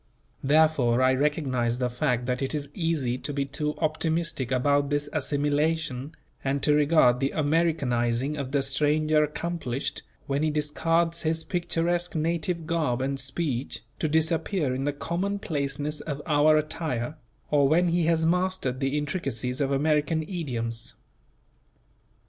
Therefore, I recognize the fact that it is easy to be too optimistic about this assimilation, and to regard the Americanizing of the stranger accomplished, when he discards his picturesque native garb and speech, to disappear in the commonplaceness of our attire; or when he has mastered the intricacies of American idioms.